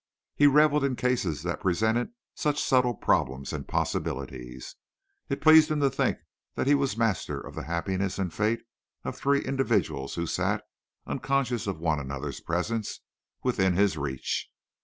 He revelled in cases that presented such subtle problems and possibilities. It pleased him to think that he was master of the happiness and fate of the three individuals who sat, unconscious of one another's presence, within his reach.